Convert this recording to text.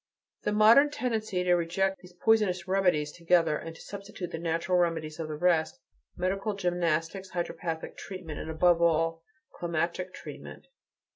The modern tendency is to reject these poisonous remedies altogether, and to substitute the natural remedies of rest, medical gymnastics, hydropathic treatment, and, above all, climatic treatment.